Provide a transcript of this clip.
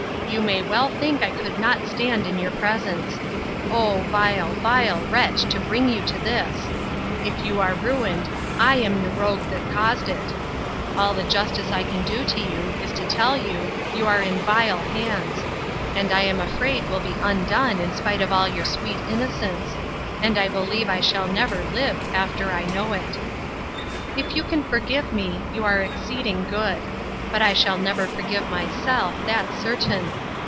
You may well think I could not stand in your presence. O vile, vile wretch, to bring you to this! If you are ruined, I am the rogue that caused it. All the justice I can do you, is to tell you, you are in vile hands; and I am afraid will be undone in spite of all your sweet innocence; and I believe I shall never live, after I know it. If you can forgive me, you are exceeding good; but I shall never forgive myself, that's certain.